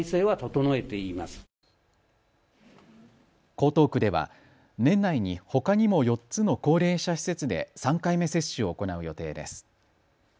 江東区では年内にほかにも４つの高齢者施設で３回目接種を行う予定です。